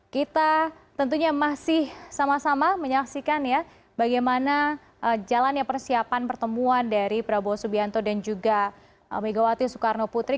kita tentunya masih sama sama menyaksikan ya bagaimana jalannya persiapan pertemuan dari prabowo subianto dan juga megawati soekarno putri